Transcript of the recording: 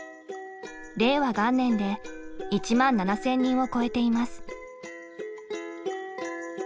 令和元年で１万７，０００人を超えています。